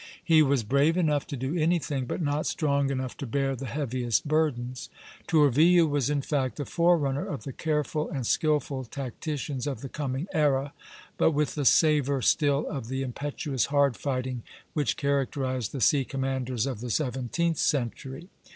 He was brave enough to do anything, but not strong enough to bear the heaviest burdens. Tourville was in fact the forerunner of the careful and skilful tacticians of the coming era, but with the savor still of the impetuous hard fighting which characterized the sea commanders of the seventeenth century.